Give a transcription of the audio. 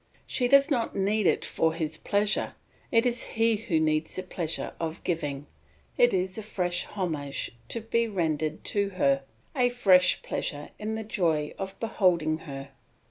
She does not need it for his pleasure, it is he who needs the pleasure of giving, it is a fresh homage to be rendered to her, a fresh pleasure in the joy of beholding her.